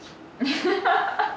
ハハハハ！